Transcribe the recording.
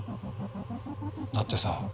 だってさ